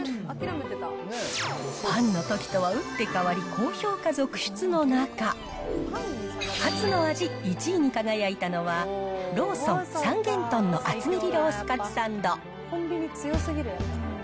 パンのときとは打って変わり、高評価続出の中、カツの味１位に輝いたのは、ローソン三元豚の厚切りロースカツサンド。